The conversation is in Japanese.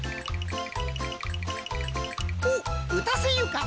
おっうたせゆか。